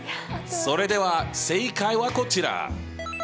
それでは正解はこちら。